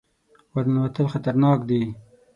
ور ننوتل خطرناک دي.